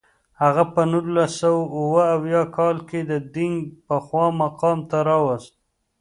هغه په نولس سوه اووه اویا کال کې دینګ پخوا مقام ته راوست.